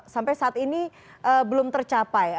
sampai saat ini belum tercapai